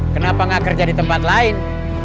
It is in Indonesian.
kenapa gak kerja di tempat lain